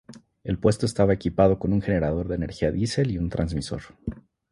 El puesto estaba equipado con un generador de energía diesel y un transmisor.